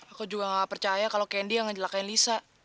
aku juga gak percaya kalau candy yang ngejelakain lisa